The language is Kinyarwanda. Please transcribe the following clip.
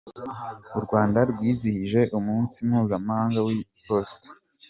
U Rwanda rwizihije umunsi mpuzamahanga w’iposita